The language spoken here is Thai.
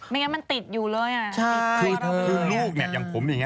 ไม่งั้นมันติดอยู่เลยอะ